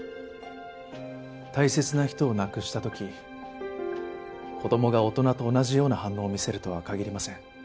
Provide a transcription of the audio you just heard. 大切な人を亡くした時子どもが大人と同じような反応を見せるとは限りません。